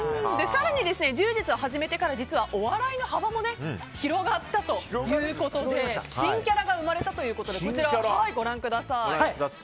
更に、柔術を始めてからお笑いの幅も広がったということで新キャラが生まれたということでご覧ください。